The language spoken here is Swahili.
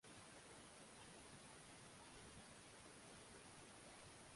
bainika kuwa adhabu aliopangiwa ya kunyongwa hivi leo